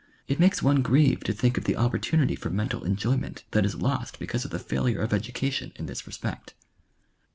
It makes one grieve to think of the opportunity for mental enjoyment that is lost because of the fail ure of education in this respect.